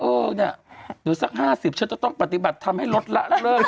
เดี๋ยวสักห้าสิบฉันจะต้องปฏิบัติทำให้ลดละ